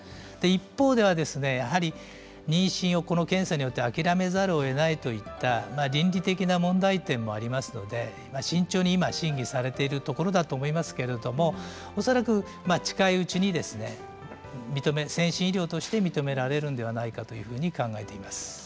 一方で妊娠をこの検査によって諦めざるをえないといった倫理的な問題点もありますので慎重に審議されているところだと思いますけれども恐らく近いうちに先進医療として認められるのではないかと考えています。